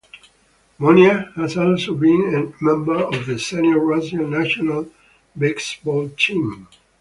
Monia has also been a member of the senior Russian national basketball team.